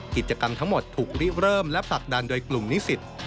กิจกรรมทั้งหมดถูกริเริ่มและผลักดันโดยกลุ่มนิสิต